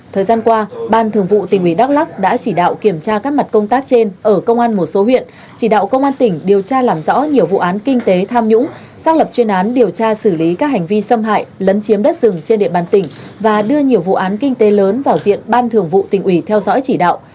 thời gian qua ban thường vụ tỉnh ủy đắk lắc đã chỉ đạo kiểm tra các mặt công tác trên ở công an một số huyện chỉ đạo công an tỉnh điều tra làm rõ nhiều vụ án kinh tế tham nhũng xác lập chuyên án điều tra xử lý các hành vi xâm hại lấn chiếm đất rừng trên địa bàn tỉnh và đưa nhiều vụ án kinh tế lớn vào diện ban thường vụ tỉnh ủy theo dõi chỉ đạo